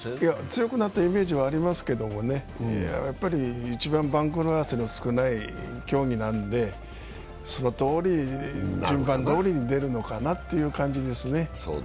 強くなったイメージはありますけれどもね、やっぱり一番、番狂わせの少ない競技なので、そのとおり、順番どおりに出るのかなという感じですね。